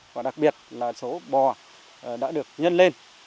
và đặc biệt là số bò đã được nhân lên